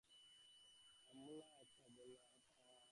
অমলা অবাক হইয়া বলিল, আসিনি, তাই কি?